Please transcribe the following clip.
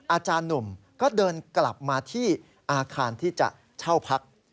อาจารย์หนุ่มก็เดินกลับมาที่อาคารที่จะเช่าพัก